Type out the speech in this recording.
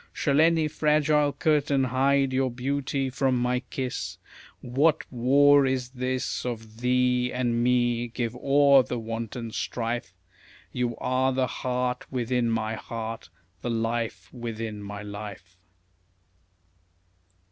Shall any fragile curtain hide your beauty from my kiss? What war is this of THEE and ME? Give o'er the wanton strife, You are the heart within my heart, the life within my life.